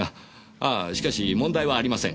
ああしかし問題はありません。